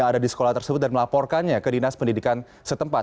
dan melaporkannya ke dinas pendidikan setempat